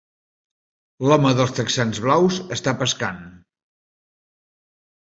L'home dels texans blaus està pescant